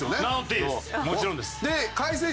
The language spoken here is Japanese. もちろんです。